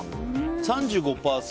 ３５％。